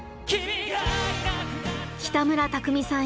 北村匠海さん